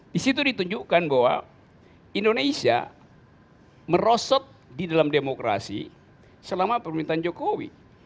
di situ ditunjukkan bahwa indonesia merosot di dalam demokrasi selama permintaan jokowi